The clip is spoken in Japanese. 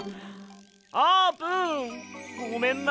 あーぷんごめんな。